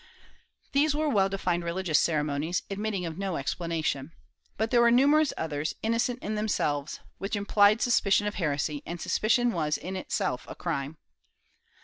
These were well defined religious ceremonies admit ting of no explanation, but there were numerous others, innocent in themselves, which implied suspicion of heresy, and suspicion was in itself a crime.